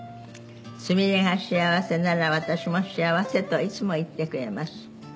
「“すみれが幸せなら私も幸せといつも言ってくれます”」